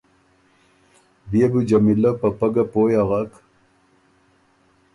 بيې بو جمیلۀ په پۀ ګه پویٛ اغک